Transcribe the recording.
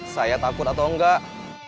saya takut atau enggak